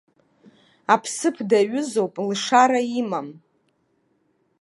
Аԥсыԥ даҩызоуп, лшара имам.